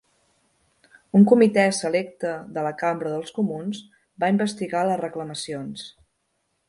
Un comitè selecte de la Cambra dels Comuns va investigar les reclamacions.